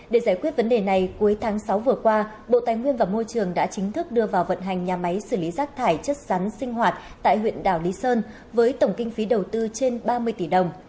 để giải quyết vấn đề này cuối tháng sáu vừa qua bộ tài nguyên và môi trường đã chính thức đưa vào vận hành nhà máy xử lý rác thải chất rắn sinh hoạt tại huyện đảo lý sơn với tổng kinh phí đầu tư trên ba mươi tỷ đồng